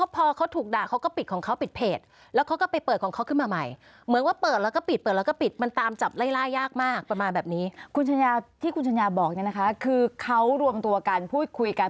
มันก็ปิดเปิดเสร็จมันก็ปิด